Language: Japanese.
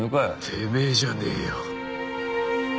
てめえじゃねえよ。